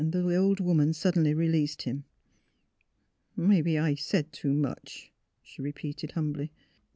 The old woman suddenly released him. *' Mebbe I said too much," she repeated, humbly.